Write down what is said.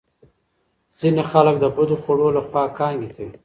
ځینې خلک د بدو خوړو له خوا کانګې کوي.